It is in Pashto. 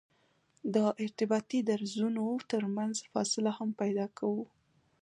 د ارتباطي درزونو ترمنځ فاصله هم پیدا کوو